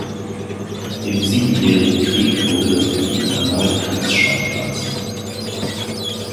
Im Siebenjährigen Krieg wurde das Gebiet erneut Kriegsschauplatz.